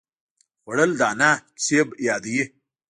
خوړل د انا کیسې یادوي